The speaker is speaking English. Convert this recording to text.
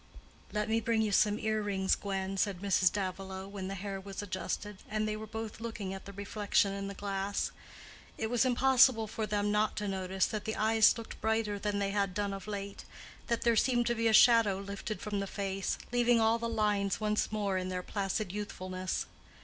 "Let me bring you some earrings, Gwen," said Mrs. Davilow, when the hair was adjusted, and they were both looking at the reflection in the glass. It was impossible for them not to notice that the eyes looked brighter than they had done of late, that there seemed to be a shadow lifted from the face, leaving all the lines once more in their placid youthfulness.